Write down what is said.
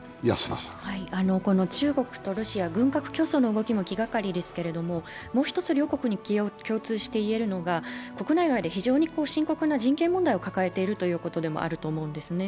中国とロシア、軍拡競争の動きも気がかりですけれども、もう１つ両国に共通していえるのが、国内外に深刻な人権問題を抱えているということでもあると思うんですね。